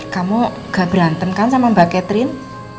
kamu gak berantem kan sama mbak catherine